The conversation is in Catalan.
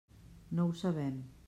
No ho sabem.